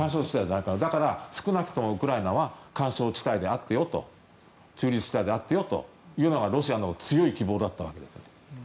だから、少なくともウクライナは緩衝地帯であってよと中立地帯であってよというのがロシアの強い希望だったわけです。